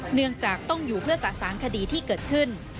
เนื่องจากต้องอยู่เพื่อสะสางคดีที่เกิดขึ้น